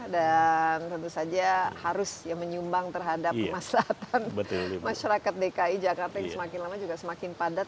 dan tentu saja harus ya menyumbang terhadap masyarakat dki jakarta yang semakin lama juga semakin padat